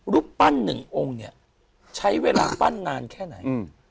รูปปั้นหนึ่งองค์เนี่ยใช้เวลาปั้นนานแค่ไหน